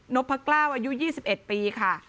พะกล้าอายุ๒๑ปีค่ะ